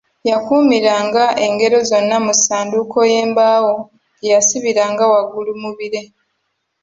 Yakuumiranga engero zonna mu ssanduuko y'embaawo gye yasibiranga waggulu mu bire.